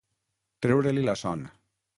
Treure-li la son.